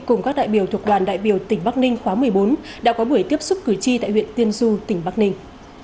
cùng các đại biểu thuộc đoàn đại biểu tỉnh bắc ninh khóa một mươi bốn đã có buổi tiếp xúc cử tri tại huyện tiên du tỉnh bắc ninh